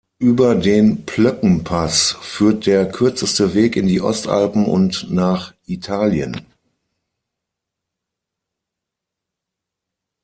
Über den Plöckenpass führt der kürzeste Weg in die Ostalpen und nach Italien.